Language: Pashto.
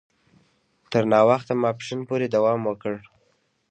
تر ناوخته ماپښین پوري دوام وکړ.